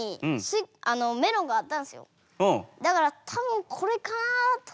だから多分これかなとは。